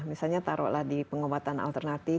misalnya taruh lah di pengobatan alternatif